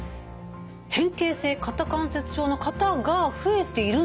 変形性肩関節症の方が増えているんでしょうか？